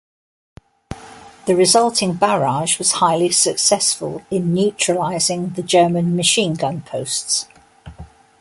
The resulting barrage was highly successful in neutralising the German machine-gun posts.